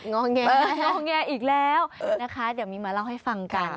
ง้อแงะง้อแงะอีกแล้วนะคะมีมาเล่าให้ฟังกัน